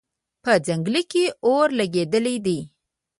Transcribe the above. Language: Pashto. په ځنګل کې اور لګېدلی دی